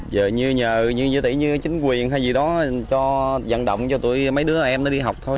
giờ như nhà như chính quyền hay gì đó dặn động cho mấy đứa em nó đi học thôi